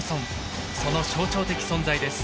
その象徴的存在です。